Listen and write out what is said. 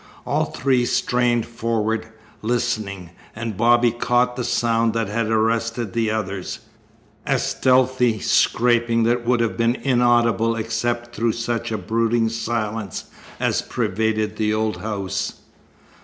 All three strained forward, listening, and Bobby caught the sound that had arrested the others a stealthy scraping that would have been inaudible except through such a brooding silence as pervaded the old house.